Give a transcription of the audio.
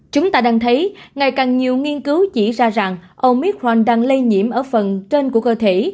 chúng ta đang thấy ngày càng nhiều nghiên cứu chỉ ra rằng omit fron đang lây nhiễm ở phần trên của cơ thể